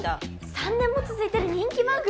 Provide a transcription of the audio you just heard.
３年も続いてる人気番組ですよ。